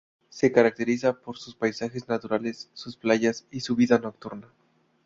Se caracteriza por sus paisajes naturales, sus playas y su vida nocturna.